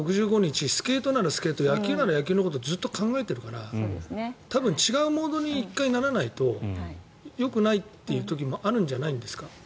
スケートならスケート野球なら野球のことを考えてるから多分違うモードにならないとよくない時もあるんじゃないですか。